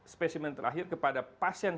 spesimen terakhir kepada pasien